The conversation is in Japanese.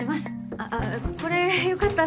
あっこれよかったら。